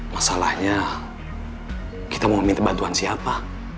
masalahnya kita mau minta bantuan siapa